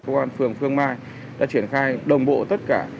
công an phường phương mai đã triển khai đồng bộ tất cả